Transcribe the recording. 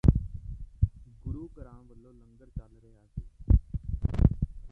ਗੁਰੂ ਘਰਾਂ ਵੱਲੋਂ ਲੰਗਰ ਚੱਲ ਰਿਹਾ ਸੀ